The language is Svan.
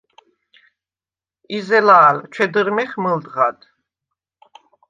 იზელა̄ლ, ჩვედჷრმეხ მჷლდღად.